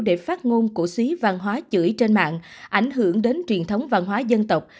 để phát ngôn cổ suý văn hóa chửi trên mạng ảnh hưởng đến truyền thống văn hóa dân tộc